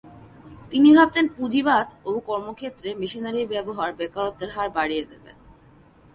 তিনি ভাবতেন পুঁজিবাদ ও কর্মক্ষেত্রে মেশিনারির ব্যবহার বেকারত্বের হার বাড়িয়ে দিবে।